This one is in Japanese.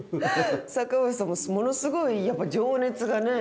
坂上さんもものすごいやっぱ情熱がね。